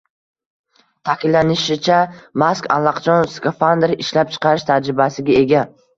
Ta’kidlanishicha, Mask allaqachon skafandr ishlab chiqarish tajribasiga ega